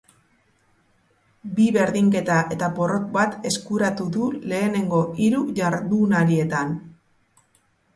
Bi berdnketa eta porrot bat eskuratu du lehenengo hiru jardunaldietan.